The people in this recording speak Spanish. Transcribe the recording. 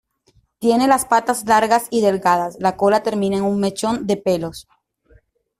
Tienen las patas largas y delgadas, la cola termina en un mechón de pelos.